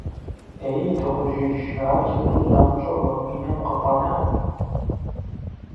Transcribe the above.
Ей, дыгъужьыжь, ар сыту занщӏэу а уи нам къыфӏэна?